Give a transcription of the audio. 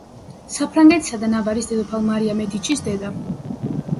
საფრანგეთისა და ნავარის დედოფალ მარია მედიჩის დედა.